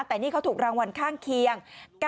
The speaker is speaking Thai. แต่นี่เขาถูกรางวัลข้างเคียง